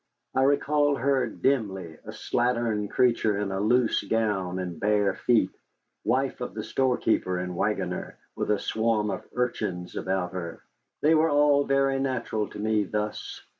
I recall her dimly, a slattern creature in a loose gown and bare feet, wife of the storekeeper and wagoner, with a swarm of urchins about her. They were all very natural to me thus.